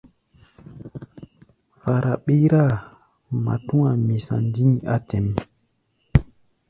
Fara ɓíráa, matúa misa ndîŋ á tɛ̌ʼm.